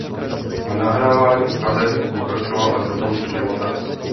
V nahrávání skladeb pokračoval až do konce života.